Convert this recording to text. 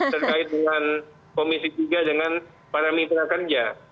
terkait dengan komisi tiga dengan para mitra kerja